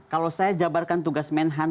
kalau saya jabarkan tugas menhan